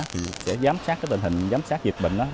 tình hình giám sát dịch bệnh